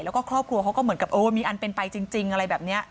แล้วก็ครอบครัวเขาก็เหมือนกับเออมีอันเป็นไปจริงอะไรแบบนี้